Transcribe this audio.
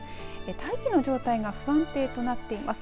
大気の状態が不安定となっています。